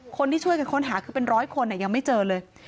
คนที่ช่วยกันค้นหาคือเป็นร้อยคนยังไม่เจอเลย